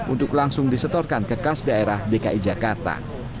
untuk langsung disetorkan ke kas daerah dki jakarta